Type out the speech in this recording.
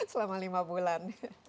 selama lima bulan